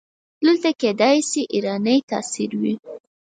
دلته کیدای شي ایرانی تاثیر وي.